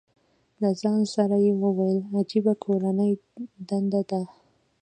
له ځان سره یې وویل، عجیبه کورنۍ دنده ده.